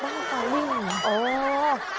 บ้างไฟวิ่งหนี